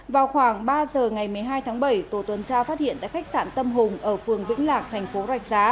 vào khoảng ba giờ ngày một mươi hai tháng bảy tổ tuần tra phát hiện tại khách sạn tâm hùng ở phường vĩnh lạc thành phố rạch giá